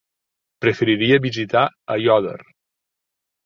Preferiria visitar Aiòder.